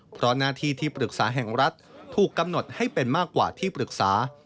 เพราะหน้าที่ที่ปรึกษาแห่งรัฐถูกกำหนดให้เป็นมากกว่าที่ปรึกษา